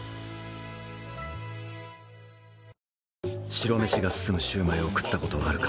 白飯が進むシュウマイを食ったことはあるか？